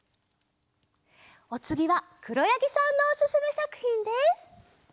おつぎはくろやぎさんのおすすめさくひんです。